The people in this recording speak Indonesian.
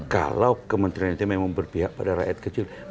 kalau kementerian itu memang berpihak pada rakyat kecil